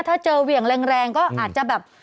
ถ้าเจอเหวี่ยงแรงก็อาจจะแบบ